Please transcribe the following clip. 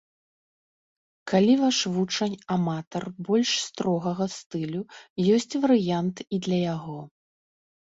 Калі ваш вучань аматар больш строгага стылю, ёсць варыянт і для яго.